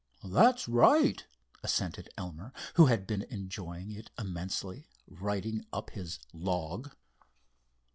"That's right," assented Elmer, who had been enjoying it immensely, writing up his "log."